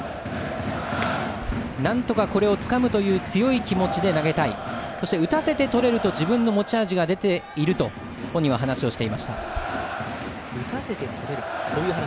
なんとかこれをつかむという強い気持ちで取りたいそして、打たせて取れると自分の持ち味が出るとここまでは三振が１つ。